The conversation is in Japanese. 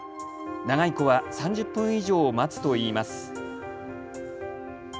長い子は３０分以上、待つといいます。